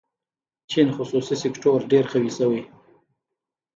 چین خصوصي سکتور ډېر قوي شوی.